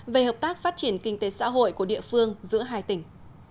về hợp tác phát triển kinh tế xã hội của địa phương giữa hai tỉnh